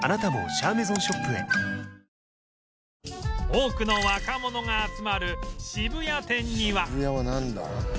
多くの若者が集まる渋谷店には